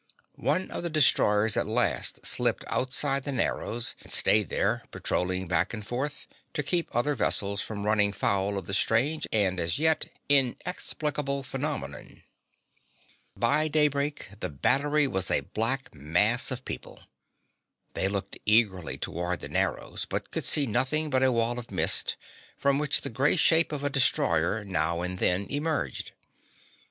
One of the destroyers at last slipped outside the Narrows and stayed there, patrolling back and forth to keep other vessels from running foul of the strange and as yet inexplicable phenomenon. By daybreak the Battery was a black mass of people. They looked eagerly toward the Narrows, but could see nothing but a wall of mist, from which the gray shape of a destroyer now and then emerged.